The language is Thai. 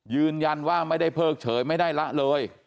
ยืนยันว่าไม่ได้เพิกเฉยไม่ได้ละเลย